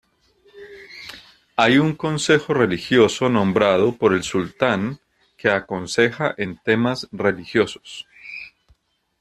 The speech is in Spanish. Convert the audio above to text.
Hay un consejo religioso nombrado por el sultán que aconseja en temas religiosos.